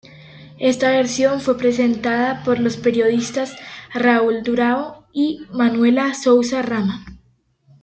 Esta versión fue presentada por los periodistas Raul Durão y Manuela Sousa Rama.